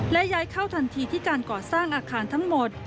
และย้ายเข้าทันทีที่การก่อสร้างอาคารทั้งหมด